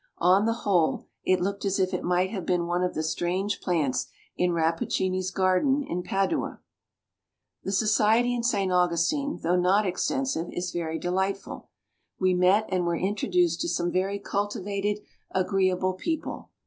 On the whole, it looked as if it might have been one of the strange plants in Rappicini's garden in Padua. The society in St. Augustine, though not extensive, is very delightful. We met and were introduced to some very cultivated, agreeable people.